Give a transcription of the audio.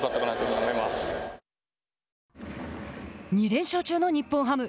２連勝中の日本ハム。